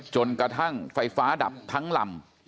จนกระทั่งไฟฟ้าดับทั้งลำ